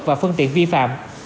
và phân tiện vi phạm